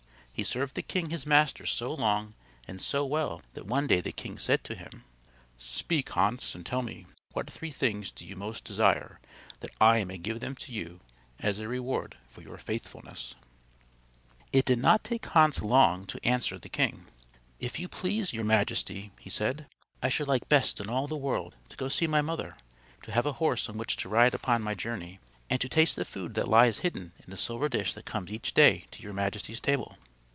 He served the king his master so long and so well that one day the king said to him: "Speak, Hans, and tell me what three things do you most desire that I may give them to you as a reward for your faithfulness." [Footnote 4: Adapted with a free hand from Grimm's "White Snake."] It did not take Hans long to answer the king. "If you please, your majesty," he said, "I should like best in all the world to go to see my mother; to have a horse on which to ride upon my journey; and to taste the food that lies hidden in the silver dish that comes each day to your majesty's table."